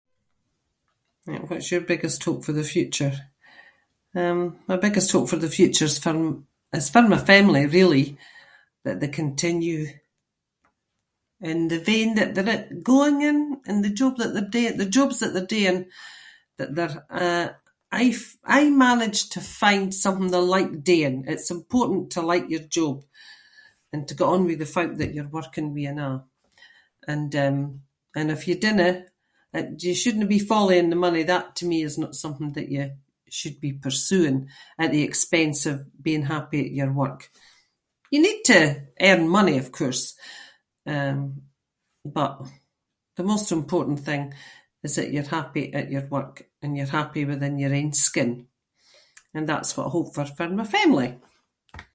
Right, what’s your biggest hope for the future? Um, my biggest hope for the future’s for- it’s for my family, really, that they continue in the vein that there i- going in in the job that they’re doi- the jobs that they’re doing, that they’re uh, aie- aie manage to find something they like doing. It’s important to like your job and to get on with the folk that you’re working with and a’, and um, and if you dinna, you shouldnae be following the money, that to me is not something that you should be pursuing at the expense of being happy at your work. You need to earn money, of course, um, but the most important thing is that you’re happy at your work and you’re happy within your own skin, and that’s what I hope for for my family.